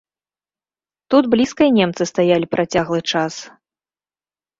Тут блізка і немцы стаялі працяглы час.